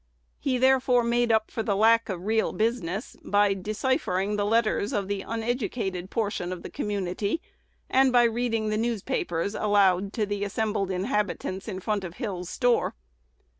He therefore made up for the lack of real business by deciphering the letters of the uneducated portion of the community, and by reading the newspapers aloud to the assembled inhabitants in front of Hill's store.